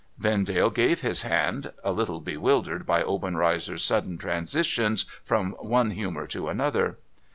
Vendale gave his hand, a little bewildered by Obenreizer's sudden transitions from one humour to another.